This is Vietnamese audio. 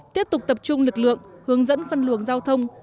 tiếp tục tập trung lực lượng hướng dẫn phân luồng giao thông